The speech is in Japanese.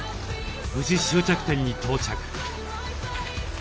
無事終着点に到着。